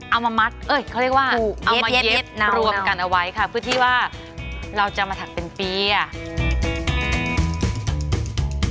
เอามามัดเค้าเรียกว่าเย็บรวมกันเอาไว้ค่ะเพื่อที่ว่าเราจะมาถักเป็นปรียะ